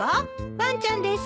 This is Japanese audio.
ワンちゃんですか？